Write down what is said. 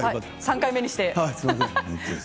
３回目にして。